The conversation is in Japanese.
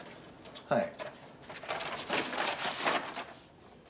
はい。